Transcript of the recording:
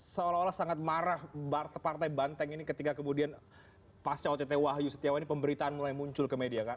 seolah olah sangat marah partai banteng ini ketika kemudian pasca ott wahyu setiawan ini pemberitaan mulai muncul ke media kan